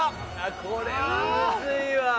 これはムズいわ。